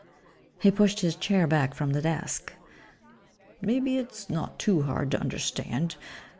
He pushed his chair back from the desk, "Maybe it's not too hard to understand.